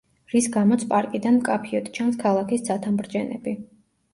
რის გამოც პარკიდან მკაფიოდ ჩანს ქალაქის ცათამბჯენები.